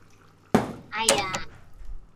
「哎呀」